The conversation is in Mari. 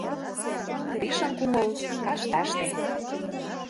Гришын кумыл — кашташте.